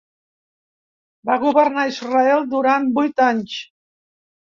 Va governar Israel durant vuit anys.